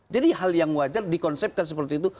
jadi hal yang wajar dikonsepkan seperti itu